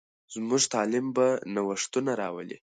زموږ تعلیم به نوښتونه راولي.